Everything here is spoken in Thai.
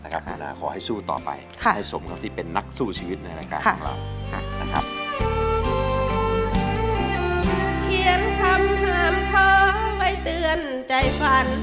คุณนาขอให้สู้ต่อไปให้สมกับที่เป็นนักสู้ชีวิตในรายการของเรา